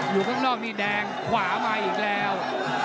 อยู่ข้างนอกนี่แดงขวามาอีกแล้ว